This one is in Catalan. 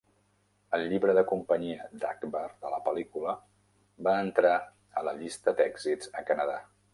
El llibre de companyia d'Achbar de la pel·lícula va entrar a la llista d'èxits a Canadà.